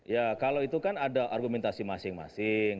ya kalau itu kan ada argumentasi masing masing